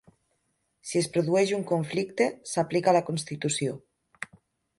Si es produeix un conflicte, s'aplica la Constitució.